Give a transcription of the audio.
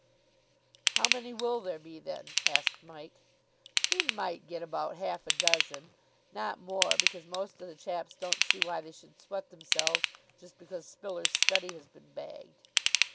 "How many will there be, then?" asked Mike. "He might get about half a dozen, not more, because most of the chaps don't see why they should sweat themselves just because Spiller's study has been bagged."